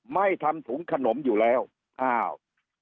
ไม่ทำถุงขนมอยู่แล้วอ้าว